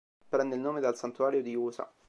Prende il nome dal santuario di Usa.